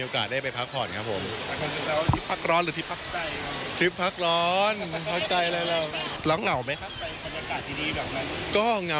ตอนนี้ยังว่างครับยังว่าง